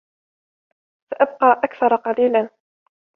سأبقى أكثر قليلا.